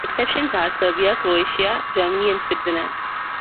Exceptions are Serbia, Croatia, Germany and Switzerland.